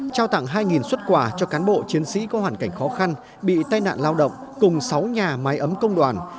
trao tặng hai xuất quà cho cán bộ chiến sĩ có hoàn cảnh khó khăn bị tai nạn lao động cùng sáu nhà máy ấm công đoàn